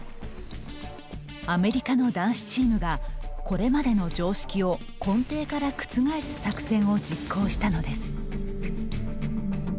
アメリカの男子チームがこれまでの常識を根底から覆す作戦を実行したのです。